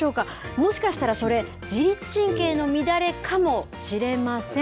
もしかしたら、それ、自律神経の乱れかもしれません。